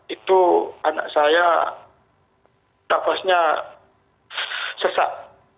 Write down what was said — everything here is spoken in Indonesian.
itu anak saya tak pasnya sesak